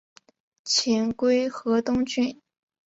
遣归河东郡。